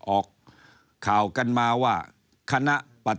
ออกข่าวกันมาว่า